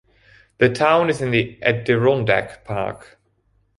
The town is in the Adirondack Park.